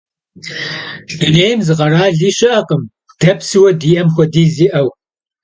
Dunêym zı kherali şı'ekhım de psıue di'em xuediz yi'eu.